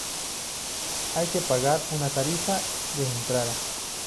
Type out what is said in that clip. Hay que pagar una tarifa de entrada.